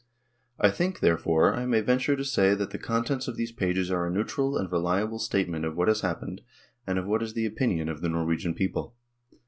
I think, therefore, I ma}' venture to say that the 2216545 vi PREFACE contents of these pages are a neutral and reliable statement of what has happened, and of what is the opinion of the Norwegian people.